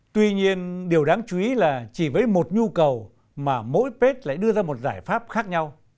tuy nhiên điều đáng chú ý là chỉ với một nhu cầu mà mỗi bếp lại đưa ra một giải pháp khác nhau